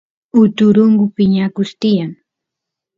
uturungu piñakus tiyan